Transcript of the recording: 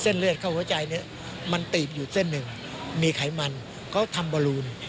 เส้นเลขเขาเข้าใจนี่มันตีบอยู่เส้นหนึ่งมีไขมันเขาทำบรูล